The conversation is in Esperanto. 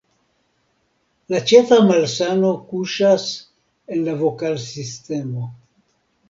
La ĉefa malsamo kuŝas en la vokalsistemo.